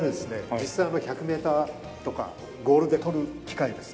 実際１００メーターとかゴールで撮る機械です